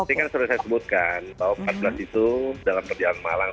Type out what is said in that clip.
tadi kan sudah saya sebutkan bahwa empat belas itu dalam perjalanan malang